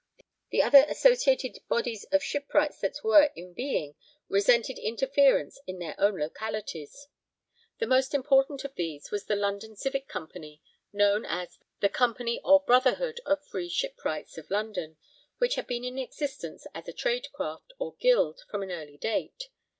The other associated bodies of shipwrights that were in being resented interference in their own localities. The most important of these was the London Civic Company, known as the Company or Brotherhood of Free Shipwrights of London, which had been in existence as a 'trade craft' or 'guild' from an early date.